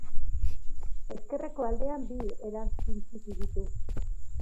Ezkerreko aldean bi eranskin txiki ditu.